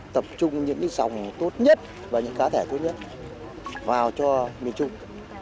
tập trung những dòng tốt nhất và những cá thể tốt nhất vào cho miền trung